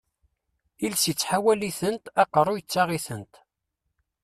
Iles ittḥawal-itent, aqerru yettaɣ-itent.